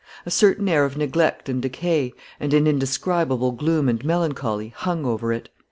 A certain air of neglect and decay, and an indescribable gloom and melancholy, hung over it.